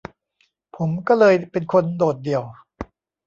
ผมก็เลยเป็นคนโดดเดี่ยว